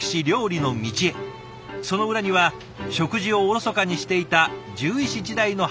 その裏には食事をおろそかにしていた獣医師時代の反省がありました。